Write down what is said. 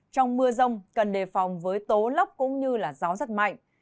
trong mưa rông cần đề phòng với tố lốc cũng như gió rất mạnh